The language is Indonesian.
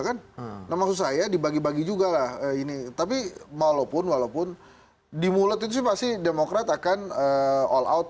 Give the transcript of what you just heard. kan nama saya dibagi bagi juga lah ini tapi maupun walaupun dimulet itu masih demokrat akan all out